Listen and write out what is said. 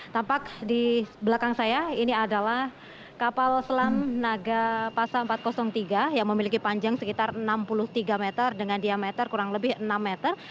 tampak di belakang saya ini adalah kapal selam nagapasa empat ratus tiga yang memiliki panjang sekitar enam puluh tiga meter dengan diameter kurang lebih enam meter